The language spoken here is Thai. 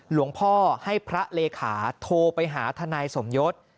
หลวงพ่อให้พระเลขาโทรไปหาทนายสมยศ